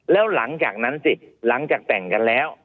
แล้วหลังจากนั้นสิหลังจากแต่งกันแล้ว